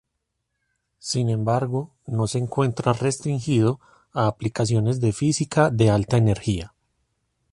Sin embargo no se encuentra restringido a aplicaciones de física de alta energía.